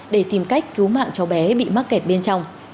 để tìm cách cứu mạng cháu bé bị mắc kẹt bên trong